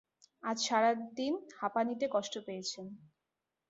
আজ সারাদিন হাঁপানিতে কষ্ট পেয়েছেন।